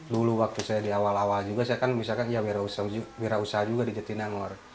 dulu waktu saya di awal awal juga saya kan misalkan ya wira usaha juga di jatinangor